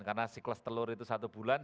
karena siklus telur itu satu bulan